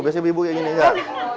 biasanya ibu ibu kayak gini gak